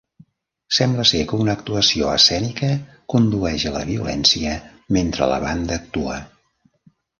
Sembla ser que una actuació escènica condueix a la violència mentre la banda actua.